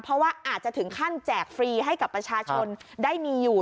เพราะว่าอาจจะถึงขั้นแจกฟรีให้กับประชาชนได้มีอยู่